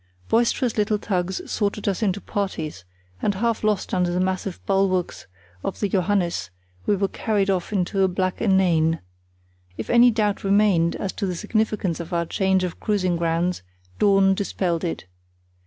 Boisterous little tugs sorted us into parties, and half lost under the massive bulwarks of the Johannes we were carried off into a black inane. If any doubt remained as to the significance of our change of cruising grounds, dawn dispelled it.